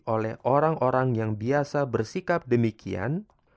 oleh orang orang yang biasa bersikap demikian